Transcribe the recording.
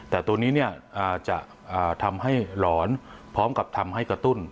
แต่ตัวนี้จะทำให้หลอนพร้อมกับทำให้กระตุ้น